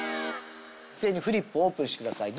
一斉にフリップをオープンしてください。